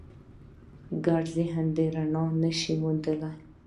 ګډوډ ذهن رڼا نهشي موندلی.